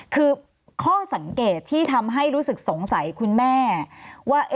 คือข้อสังเกตที่ทำให้รู้สึกสงสัยคุณแม่ว่า